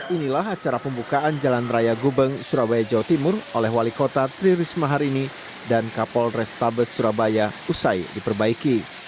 inilah acara pembukaan jalan raya gubeng surabaya jawa timur oleh wali kota tri risma hari ini dan kapol restabes surabaya usai diperbaiki